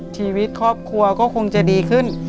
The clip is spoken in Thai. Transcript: ชีวิตครอบครัวก็คงจะดีขึ้น